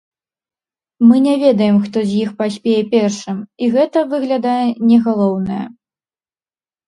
Мы не ведаем, хто з іх паспее першым, і гэта, выглядае, не галоўнае.